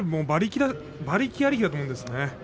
馬力ありきだと思うんですね。